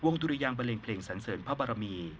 วงดุรยางประเล็งเพลงสันเสริมพระบารมี